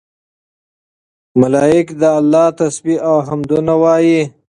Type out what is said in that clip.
ملائک د الله تسبيح او حمدونه وايي